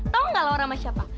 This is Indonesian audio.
tahu nggak laura sama siapa